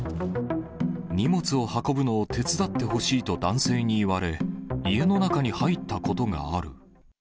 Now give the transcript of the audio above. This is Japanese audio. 荷物を運ぶのを手伝ってほしいと男性に言われ、家の中に入ったことがある。